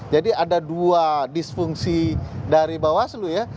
jadi ada dua disfungsi dari bawaslu ya